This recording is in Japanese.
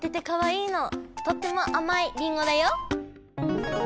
とってもあまいりんごだよ！